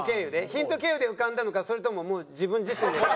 ヒント経由で浮かんだのかそれとももう自分自身で。